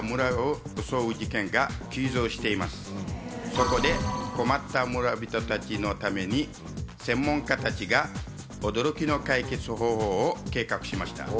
そこで困った村人たちのために専門家たちが驚きの解決方法を計画しました。